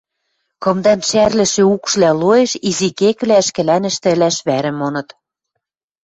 Кымдан шӓрлӹшӹ укшвлӓ лоэш изи кеквлӓ ӹшкӹлӓнӹштӹ ӹлӓш вӓрӹм моныт.